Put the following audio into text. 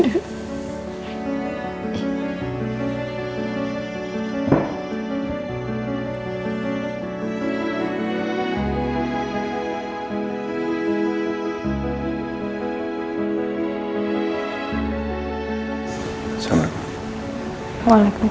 hai selamat malam